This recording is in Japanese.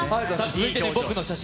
続いて、僕の写真。